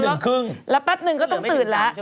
นี่ไงนอนน้อยหรือเปล่า